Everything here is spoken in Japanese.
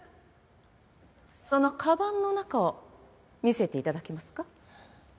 そのカバンの中を見せて頂けますか？